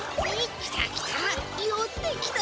きたきた！